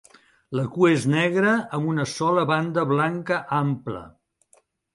La cua és negra amb una sola banda blanca ampla.